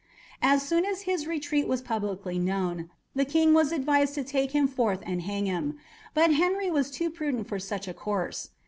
As soon as his retreat was publicly known, the King was advised to take him forth and hang him, but Henry was too prudent for such a course.